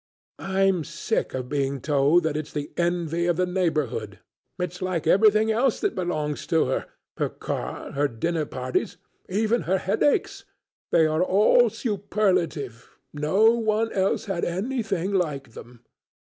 I'm sick of being told that it's the envy of the neighbourhood; it's like everything else that belongs to her—her car, her dinner parties, even her headaches, they are all superlative; no one else ever had anything like them.